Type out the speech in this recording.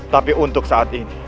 tapi untuk saat ini